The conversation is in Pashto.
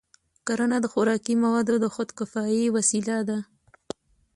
کرنه د خوراکي موادو د خودکفایۍ وسیله ده.